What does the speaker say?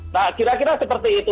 nah kira kira seperti itu